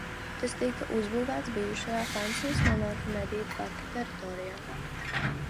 Tas tika uzbūvēts bijušajā Francijas monarhu medību parka teritorijā.